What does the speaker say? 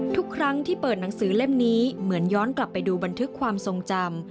ทุกครั้งที่เปิดหนังสือเล่มนี้เหมือนย้อนกลับไปดูบันทึกความทรงจำ